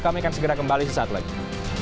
kami akan segera kembali sesaat lagi